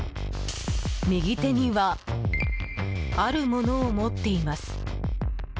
右手にはあるものを持っています。